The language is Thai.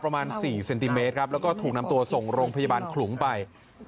ประมาณ๔เซนติเมตรครับแล้วก็ถูกนำตัวส่งโรงพยาบาลขลุงไป